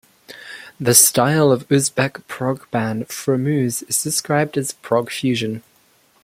The style of Uzbek prog band Fromuz is described as "prog fusion".